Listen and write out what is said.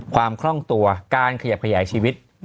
ความคล่องตัวการขยับขยายชีวิต